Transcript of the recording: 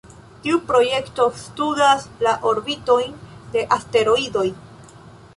Tiu projekto studas la orbitojn de asteroidoj.